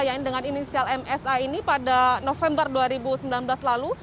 yang ini dengan inisial msa ini pada november dua ribu sembilan belas lalu